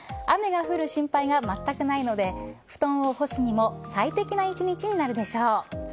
雨が降る心配がまったくないので布団を干すにも快適な１日になるでしょう。